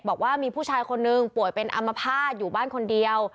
บอกว่ามีผู้ชายคนนึงป่วยเป็นอัมพาตอยู่บ้านคนเดียว